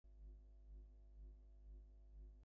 হ্যাঁ, নামটা এতো পরিচিত লাগছে কেন?